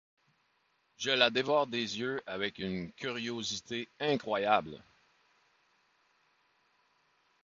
Je la dévore des yeux, avec une curiosité incroyable.